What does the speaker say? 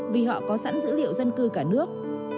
vì họ có sẵn dữ liệu dân cư cả nước